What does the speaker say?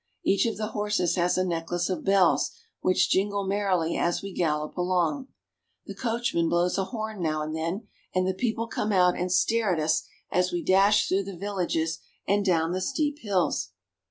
Each of the horses has a necklace of bells which jingle merrily as we gallop along. The coachman blows a 2DO SWITZERLAND. horn now and then, and the people come out and stare at us as we dash through the villages and down the steep hills.